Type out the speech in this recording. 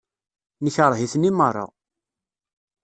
Nekṛeh-iten i meṛṛa.